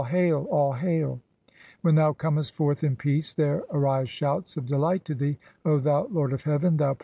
'All hail, all "hail!' When thou comest forth in peace there arise shouts of "delight to thee, O thou lord of heaven, thou Prince of Amentet.